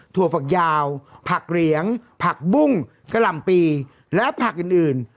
ฝักยาวผักเหรียงผักบุ้งกะหล่ำปีและผักอื่น